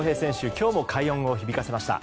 今日も快音を響かせました。